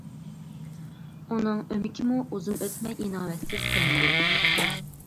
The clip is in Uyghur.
ئۇنىڭ ئۆمىكىمۇ ئۇزۇن ئۆتمەي ئىناۋەتسىز قىلىنىدۇ.